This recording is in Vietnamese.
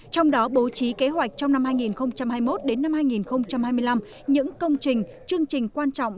trong đó bố trí kế hoạch trong năm hai nghìn hai mươi một hai nghìn hai mươi năm những công trình chương trình quan trọng